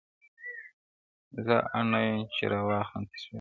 • زه اړ نه یم چی را واخلم تصویرونه -